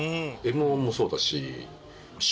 Ｍ−１もそうだし。